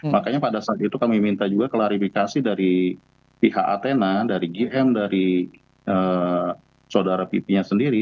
makanya pada saat itu kami minta juga klarifikasi dari pihak atena dari gm dari saudara pipinya sendiri